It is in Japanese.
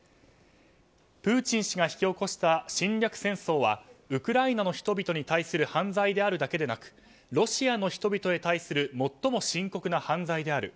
プーチン氏が引き起こした侵略戦争はウクライナの人々に対する犯罪であるだけでなくロシアの人々に対する最も深刻な犯罪である。